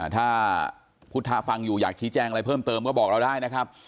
ถ้าพุทธฟังอยู่อยากชี้แจงอะไรเพิ่มเติมก็บอกเราได้นะครับ